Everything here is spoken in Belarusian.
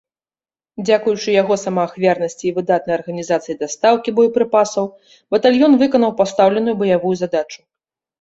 Дзякуючы яго самаахвярнасці і выдатнай арганізацыі дастаўкі боепрыпасаў батальён выканаў пастаўленую баявую задачу.